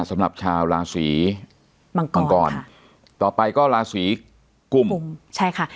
สำหรับชาวราศีมังกรมังกรต่อไปก็ราศีกุมใช่ค่ะ